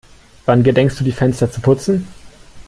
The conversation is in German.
Wann gedenkst du die Fenster zu putzen?